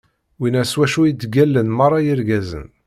Winna s wacu i ttgallan meṛṛa yirgazen.